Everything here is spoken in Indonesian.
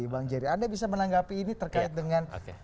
bang jerry anda bisa menanggapi ini terkait dengan